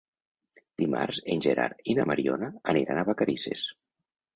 Dimarts en Gerard i na Mariona aniran a Vacarisses.